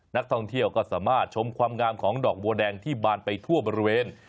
นักท่องเที่ยวก็สามารถชมความงามของดอกบัวแดงที่บานไปทั่วบริเวณ